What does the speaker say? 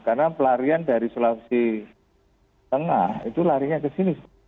karena pelarian dari sulawesi tengah itu larinya ke sini